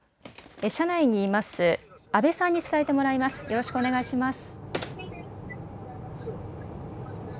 車内にいる阿部さんに伝えてもらいます。